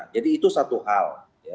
jadi itu satu hal